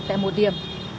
tại một điểm